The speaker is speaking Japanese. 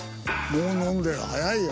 もう飲んでる早いよ。